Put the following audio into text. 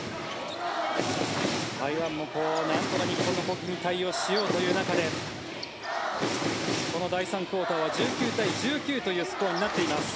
台湾もなんとか日本の動きに対応しようという中でこの第３クオーターは１９対１９というスコアになっています。